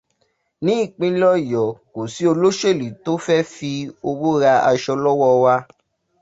Ní ìpínlẹ̀ Ọ̀yọ́, kò sí olóṣèlú tó fẹ́ fí owó ra aṣọ lọ́wọ́ wa